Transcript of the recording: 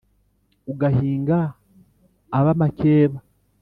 ugahinga ab’amakeba